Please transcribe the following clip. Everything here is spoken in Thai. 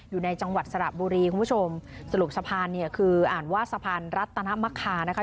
อยู่ในจังหวัดสระบุรีคุณผู้ชมสรุปสะพานเนี่ยคืออ่านว่าสะพานรัตนมะคานะคะ